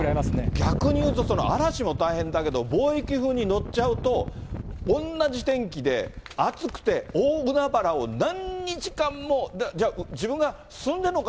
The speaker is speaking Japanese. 逆に言うと、嵐も大変だけれども、貿易風に乗っちゃうと、同じ天気で、暑くて、大海原を何日間も、じゃあ、自分が進んでんのか、